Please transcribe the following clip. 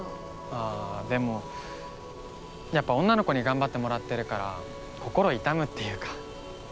ああでもやっぱ女の子に頑張ってもらってるから心痛むっていうか。